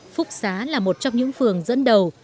phúc xá là một trong những phường dẫn đầu